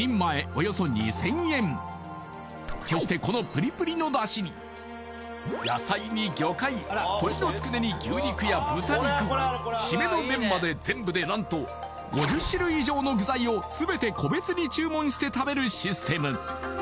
およそ２０００円そしてこのプリプリの出汁に野菜に魚介鶏のつくねに牛肉や豚肉シメの麺まで全部で何と５０種類以上の具材を全て個別に注文して食べるシステム